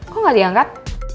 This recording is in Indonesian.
kok nggak diangkat